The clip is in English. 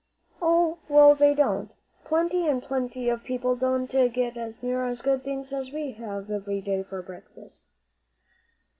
"Oh, well, they don't. Plenty and plenty of people don't get near as good things as we have every day for breakfast."